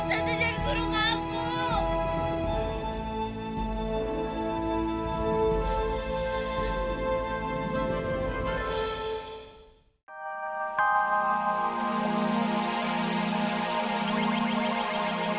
northern juga baik